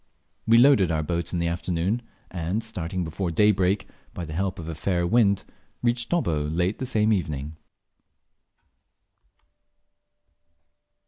We loaded our boat in the afternoon, and, starting before daybreak, by the help of a fair wind reached Dobbo late the same evening.